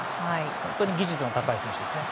本当に技術の高い選手ですね。